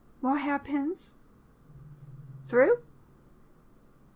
More hairpins? Through?